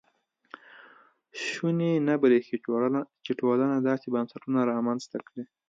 شونې نه برېښي چې ټولنه داسې بنسټونه رامنځته کړي.